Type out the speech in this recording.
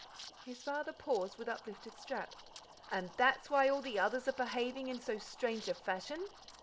His father paused with uplifted strap. "And that's why all the others are behaving in so strange a fashion?